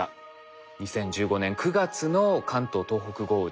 ２０１５年９月の関東・東北豪雨です。